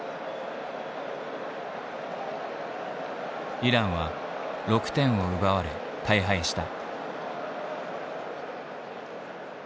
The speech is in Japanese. イランは６点を奪われ大敗した。